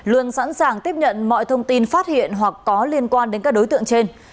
luôn sẵn sàng tiếp nhận mọi thông tin phát hiện hoặc có liên quan đến các đối tượng trên